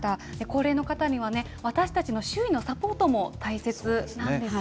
高齢の方には、私たちの周囲のサポートも大切なんです。